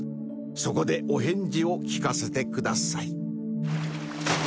そこでお返事を聞かせてください